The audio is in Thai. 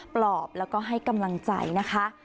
ปลอบแล้วก็ให้กำลังใจนะคะ